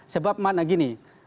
sebab makna gini